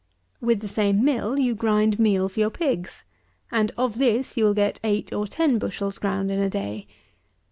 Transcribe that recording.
With the same mill you grind meat for your pigs; and of this you will get eight or ten bushels ground in a day.